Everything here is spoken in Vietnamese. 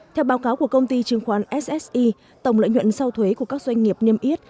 theo báo cáo của công ty chứng khoán sse tổng lợi nhuận sau thuế của các doanh nghiệp niêm yết